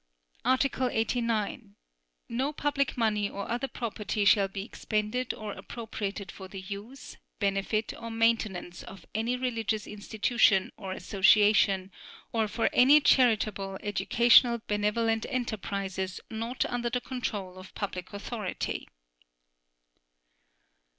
Article 89. No public money or other property shall be expended or appropriated for the use, benefit or maintenance of any religious institution or association or for any charitable, educational benevolent enterprises not under the control of public authority.